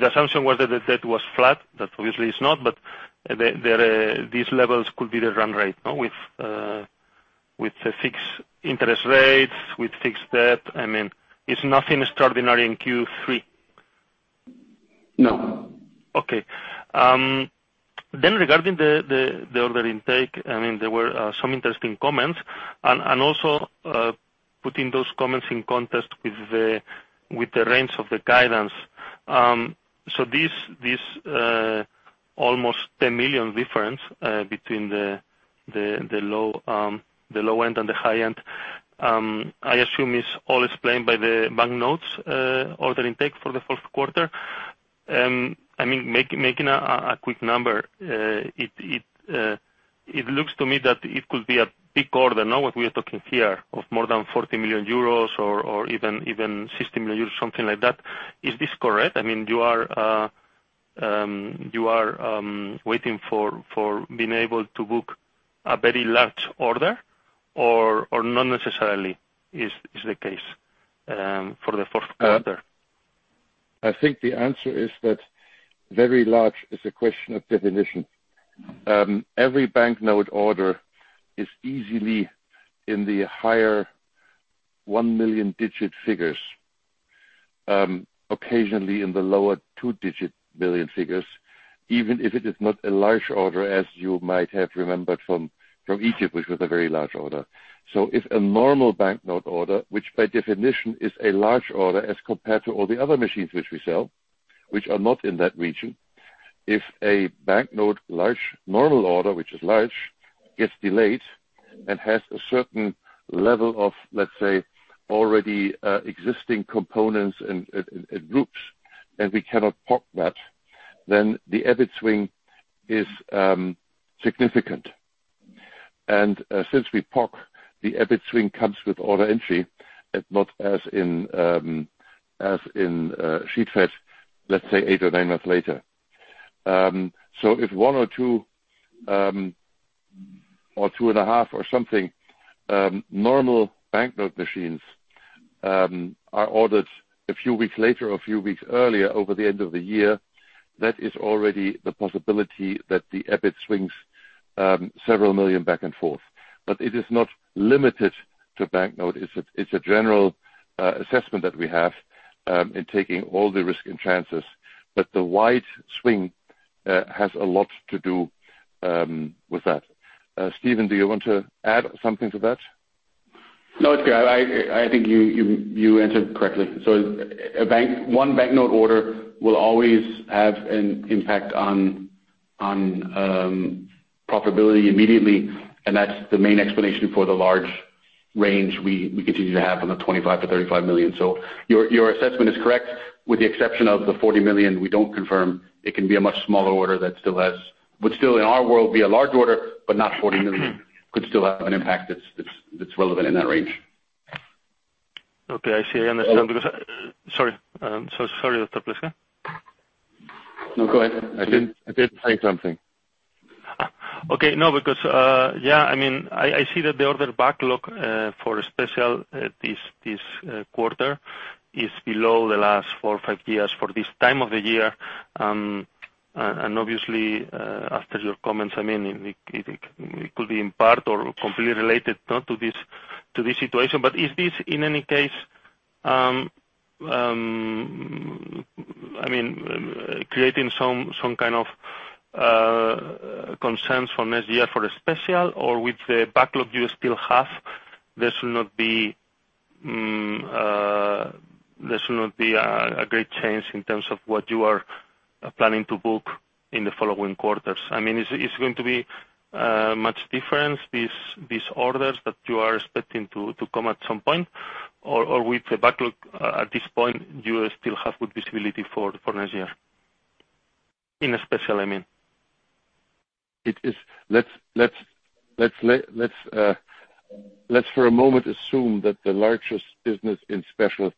the assumption was that the debt was flat, that obviously it's not, but these levels could be the run rate with fixed interest rates, with fixed debt. I mean, it's nothing extraordinary in Q3. No. Okay. Regarding the order intake, there were some interesting comments, and also putting those comments in context with the range of the guidance. This almost 10 million difference between the low end and the high end, I assume is all explained by the banknotes order intake for the fourth quarter. Making a quick number, it looks to me that it could be a big order now that we are talking here of more than 40 million euros or even 60 million euros, something like that. Is this correct? You are waiting for being able to book a very large order or not necessarily is the case for the fourth quarter? I think the answer is that very large is a question of definition. Every banknote order is easily in the higher one million digit figures. Occasionally in the lower 2 digit million figures, even if it is not a large order, as you might have remembered from Egypt, which was a very large order. If a normal banknote order, which by definition is a large order as compared to all the other machines which we sell, which are not in that region. If a banknote large normal order, which is large, gets delayed and has a certain level of, let's say, already existing components and groups, and we cannot POC that, then the EBIT swing is significant. Since we POC, the EBIT swing comes with order entry, not as in Sheetfed, let's say 8 or 9 months later. If one or two, or two and a half or something, normal banknote machines are ordered a few weeks later or a few weeks earlier over the end of the year, that is already the possibility that the EBIT swings several million EUR back and forth. It is not limited to banknote. It's a general assessment that we have in taking all the risk and chances. The wide swing has a lot to do with that. Stephen, do you want to add something to that? No, it's okay. I think you answered correctly. One banknote order will always have an impact on profitability immediately, and that's the main explanation for the large range we continue to have on the 35 million-35 million. Your assessment is correct, with the exception of the 40 million, we don't confirm. It can be a much smaller order that would still, in our world, be a large order, but not 40 million. Could still have an impact that's relevant in that range. Okay, I see. I understand. Sorry, Dr. Pleßke. No, go ahead. I didn't say something. Okay. No, because I see that the order backlog for Special this quarter is below the last four or five years for this time of the year. Obviously, after your comments, it could be in part or completely related to this situation. Is this, in any case, creating some kind of concerns from next year for the Special or with the backlog you still have, this will not be a great change in terms of what you are planning to book in the following quarters. I mean, it's going to be much difference, these orders that you are expecting to come at some point? With the backlog at this point, you still have good visibility for next year, in Special, I mean. Let's, for a moment, assume that the largest business in Special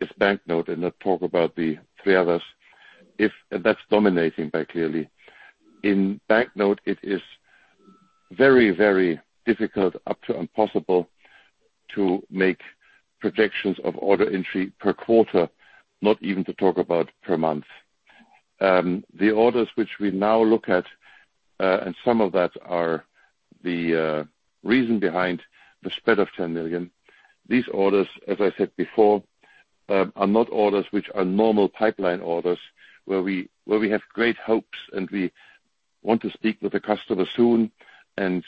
is banknote and not talk about the three others. That's dominating by clearly. In banknote, it is very, very difficult up to impossible to make projections of order entry per quarter, not even to talk about per month. The orders which we now look at, and some of that are the reason behind the spread of 10 million. These orders, as I said before, are not orders which are normal pipeline orders, where we have great hopes and we want to speak with the customer soon, and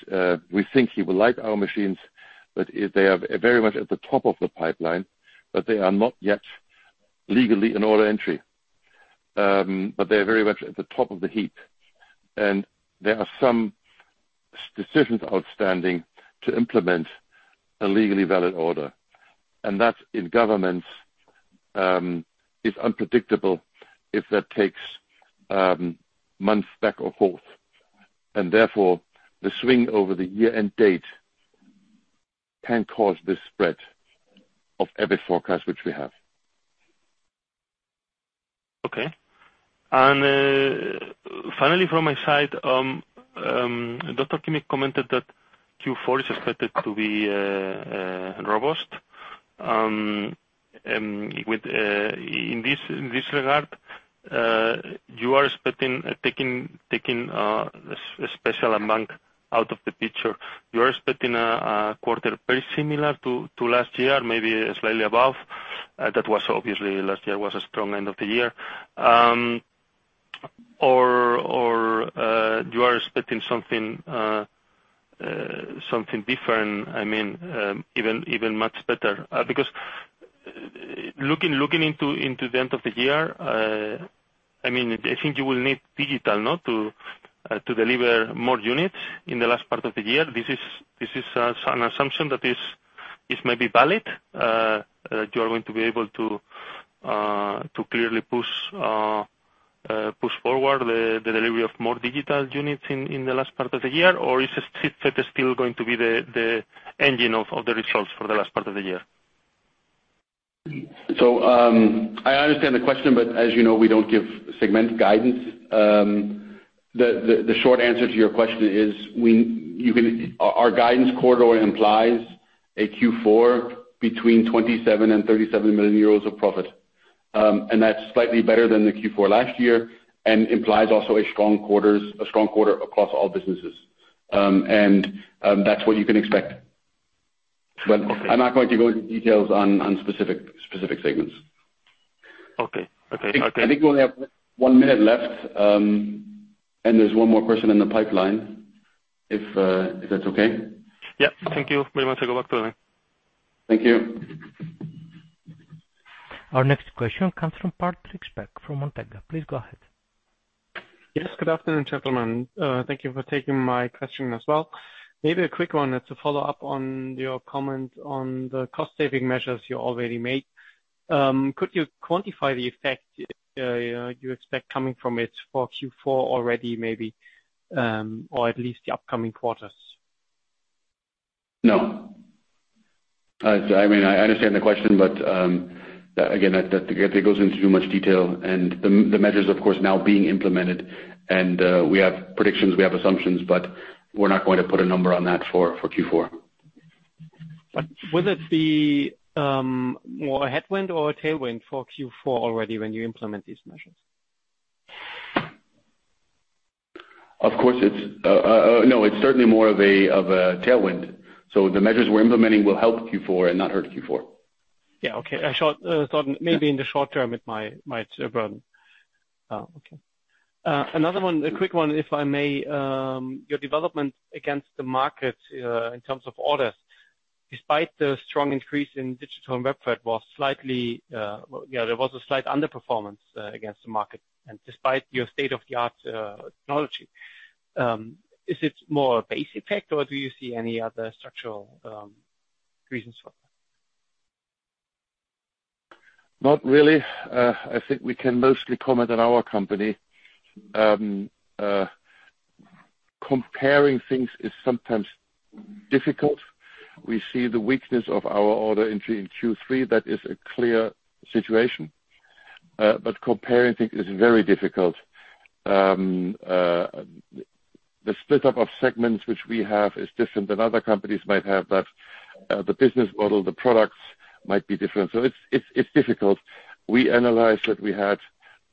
we think he will like our machines, but they are very much at the top of the pipeline, but they are not yet legally an order entry. They are very much at the top of the heap. There are some decisions outstanding to implement a legally valid order. That in governments is unpredictable if that takes months back or forth. Therefore, the swing over the year-end date can cause this spread of EBIT forecast which we have. Okay. Finally, from my side, Dr. Koenig commented that Q4 is expected to be robust. In this regard, you are expecting, taking a Special amount out of the picture, you are expecting a quarter very similar to last year, maybe slightly above. That was obviously last year was a strong end of the year. You are expecting something different, even much better? Looking into the end of the year, I think you will need Digital to deliver more units in the last part of the year. This is an assumption that is maybe valid, that you are going to be able to clearly push forward the delivery of more Digital units in the last part of the year. Is it still going to be the engine of the results for the last part of the year? I understand the question, as you know, we don't give segment guidance. The short answer to your question is our guidance corridor implies a Q4 between 27 million and 37 million euros of profit. That's slightly better than the Q4 last year and implies also a strong quarter across all businesses. That's what you can expect. Okay. I'm not going to go into details on specific segments. Okay. I think we only have one minute left, there's one more question in the pipeline, if that's okay? Thank you very much. I go back to the line. Thank you. Our next question comes from Patrick Speck from Montega. Please go ahead. Yes, good afternoon, gentlemen. Thank you for taking my question as well. Maybe a quick one to follow up on your comment on the cost-saving measures you already made. Could you quantify the effect you expect coming from it for Q4 already maybe, or at least the upcoming quarters? No. I understand the question, but again, that goes into too much detail, the measures, of course, now being implemented. We have predictions, we have assumptions, but we're not going to put a number on that for Q4. Would it be more a headwind or a tailwind for Q4 already when you implement these measures? Of course. No, it's certainly more of a tailwind. The measures we're implementing will help Q4 and not hurt Q4. Yeah, okay. Maybe in the short term it might run. Oh, okay. Another one, a quick one, if I may. Your development against the market in terms of orders, despite the strong increase in Digital & Webfed press, There was a slight underperformance against the market. Despite your state-of-the-art technology. Is it more a base effect or do you see any other structural reasons for that? Not really. I think we can mostly comment on our company. Comparing things is sometimes difficult. We see the weakness of our order entry in Q3. That is a clear situation. Comparing things is very difficult. The split up of segments which we have is different than other companies might have, but the business model, the products might be different. It's difficult. We analyzed that we had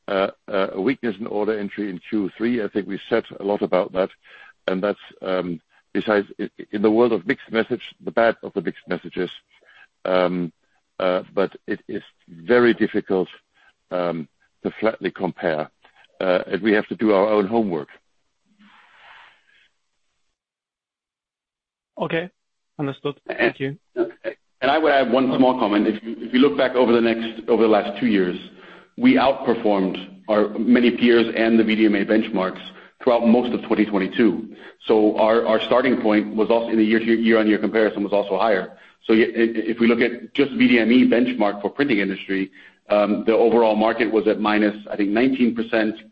a weakness in order entry in Q3. I think we said a lot about that, and that's besides in the world of mixed message, the bad of the mixed messages. It is very difficult to flatly compare, as we have to do our own homework. Okay. Understood. Thank you. I would add one small comment. If you look back over the last two years, we outperformed our many peers and the VDMA benchmarks throughout most of 2022. Our starting point in the year-on-year comparison was also higher. If we look at just VDMA benchmark for printing industry, the overall market was at minus 19%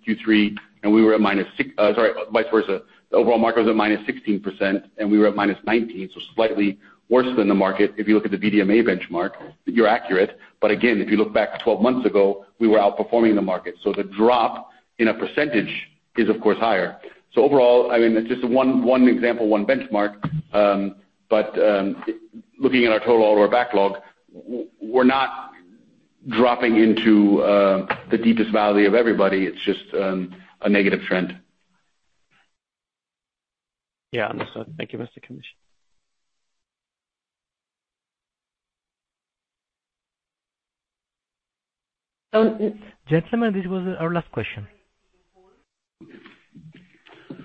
Q3, and we were at minus 16%. Sorry, vice versa. The overall market was at minus 16% and we were at minus 19%. Slightly worse than the market. If you look at the VDMA benchmark, you're accurate. Again, if you look back 12 months ago, we were outperforming the market. The drop in a percentage is, of course, higher. Overall, it's just one example, one benchmark. Looking at our total order backlog, we're not dropping into the deepest valley of everybody. It's just a negative trend. Understood. Thank you, Mr. Koenig. Gentlemen, this was our last question.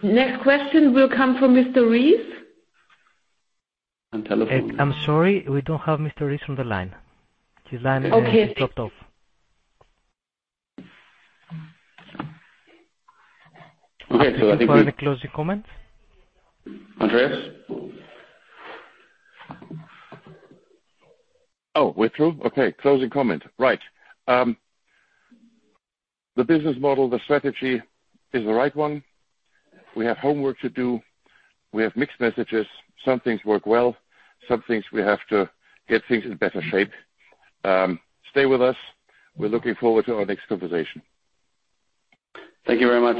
Next question will come from Mr. Reeves. On telephone. I'm sorry, we don't have Mr. Reeves on the line. His line- Okay. Has dropped off. Okay. I think we- Any closing comments? Andreas? We're through? Okay. Closing comment. Right. The business model, the strategy is the right one. We have homework to do. We have mixed messages. Some things work well, some things we have to get things in better shape. Stay with us. We're looking forward to our next conversation. Thank you very much